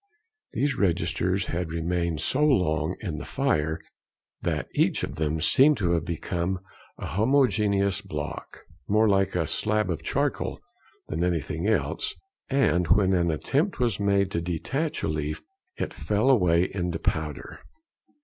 These registers had remained so long in the fire that each of them seemed to have become a homogeneous block, more like a slab of charcoal than anything else; and when an attempt was made to detach a leaf it fell away into powder.